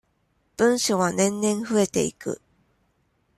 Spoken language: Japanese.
文書は年々増えていく。